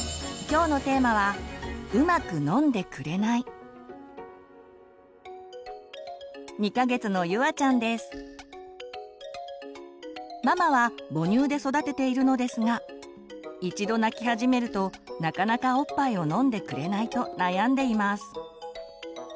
大切なのは今日のテーマはママは母乳で育てているのですが一度泣き始めるとなかなかおっぱいを飲んでくれないと悩んでいます。